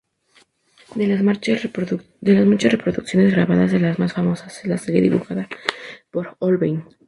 De las muchas reproducciones grabadas, la más famosa es la serie dibujada por Holbein.